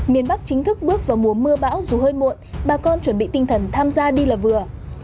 miền bắc chính thức bước vào mùa mưa bão dù hơi muộn bà con chuẩn bị tinh thần tham gia đi là vừa